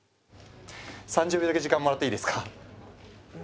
３０秒だけ時間もらっていいですか？